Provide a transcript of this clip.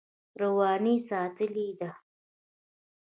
رواني یې ساتلې ده.